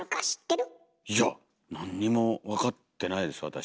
いやなんにも分かってないです私。